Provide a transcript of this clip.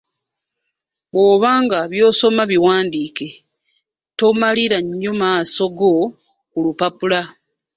Bw'oba nga by'osoma biwandiike, tomalira nnyo maaso go ku lupapula.